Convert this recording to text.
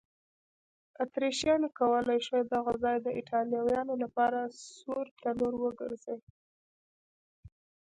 اتریشیانو کولای شوای دغه ځای د ایټالویانو لپاره سور تنور وګرځوي.